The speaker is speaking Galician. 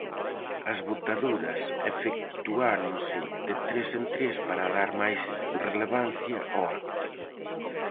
As botaduras efectuáronse de tres en tres para dar máis relevancia ao acto.